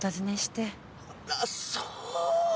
あらそう。